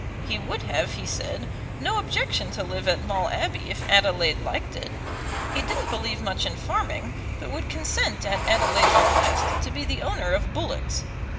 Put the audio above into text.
He would have, he said, no objection to live at Maule Abbey if Adelaide liked it. He didn't believe much in farming, but would consent at Adelaide's request to be the owner of bullocks.